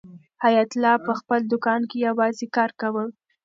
حیات الله په خپل دوکان کې یوازې کار کاوه.